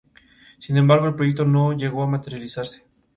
Sin embargo, el proyecto no llegó a materializarse.